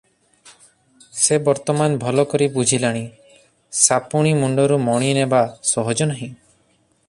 ସେ ବର୍ତ୍ତମାନ ଭଲ କରି ବୁଝିଲାଣି, ସାପୁଣୀ ମୁଣ୍ତରୁ ମଣି ନେବା ସହଜ ନୁହେଁ ।